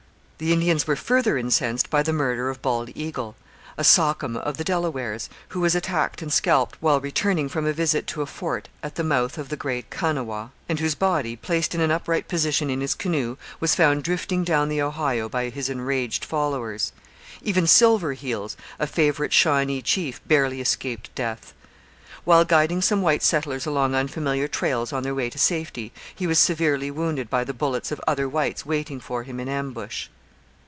The Indians were further incensed by the murder of Bald Eagle, a sachem of the Delawares, who was attacked and scalped while returning from a visit to a fort at the mouth of the Great Kanawha, and whose body, placed in an upright position in his canoe, was found drifting down the Ohio by his enraged followers. Even Silver Heels, a favourite Shawnee chief, barely escaped death. While guiding some white settlers along unfamiliar trails on their way to safety, he was severely wounded by the bullets of other whites waiting for him in ambush.